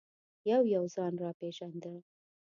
یو یو ځان را پېژانده.